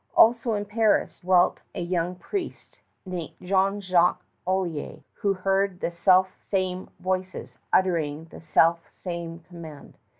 Also in Paris dwelt a young priest, Jean Jacques Olier, who heard the self same voices uttering the self same command.